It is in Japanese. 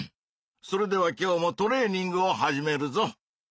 それでは今日もトレーニングを始めるぞ！